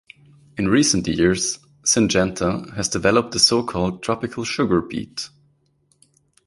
In recent years, Syngenta has developed the so-called tropical sugar beet.